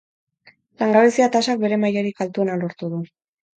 Langabezia tasak bere mailarik altuena lortu du.